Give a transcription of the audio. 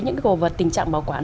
những cái cổ vật tình trạng bảo quản